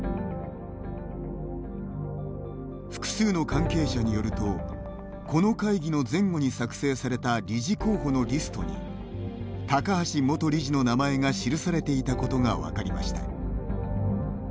複数の関係者によるとこの会議の前後に作成された理事候補のリストに高橋元理事の名前が記されていたことが分かりました。